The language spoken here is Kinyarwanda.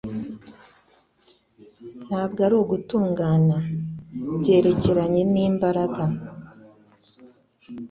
Ntabwo ari ugutungana. Byerekeranye n'imbaraga.